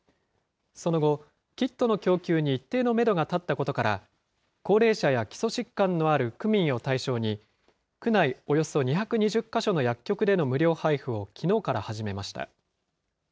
その後、キットの供給に一定のメドが立ったことから、高齢者や基礎疾患のある区民を対象に、区内およそ２２０か所の薬局での無料配布をきのうから始めました。